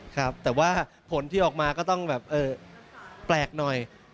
ครับแต่ว่าผลที่ออกมาก็ต้องแบบแปลกหน่อย